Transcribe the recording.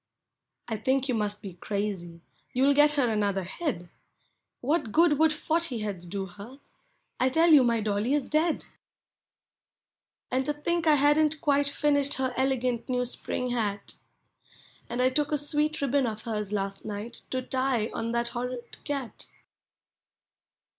I think you must be crazy— you *11 get her another head ! What good would forty heads do her? I tell you my dolly is dead ! And to think I hadn't quite finished her elegant new spring hat ! And I took a sweet ribbon of hers last night to tie on that horrid cat!